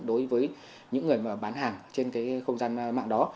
đối với những người bán hàng trên cái không gian mạng đó